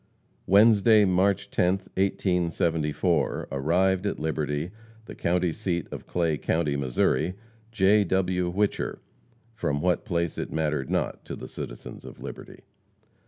Wednesday, March 10, 1874, arrived at Liberty, the county seat of Clay county, Missouri, J. W. Whicher, from what place it mattered not to the citizens of Liberty.